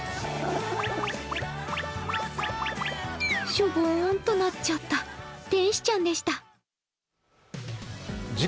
しょぼーんとなっちゃった天使ちゃんでした。